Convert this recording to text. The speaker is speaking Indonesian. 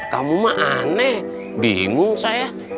kamu mah aneh bingung saya